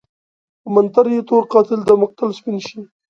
په منتر يې تور قاتل دمقتل سپين شي